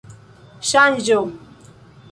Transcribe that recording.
ŝanĝo